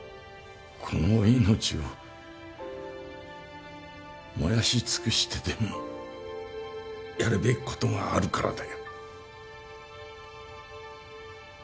この命を燃やし尽くしてでもやるべきことがあるからだよ。